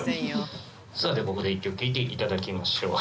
さてここで１曲聴いていただきましょう。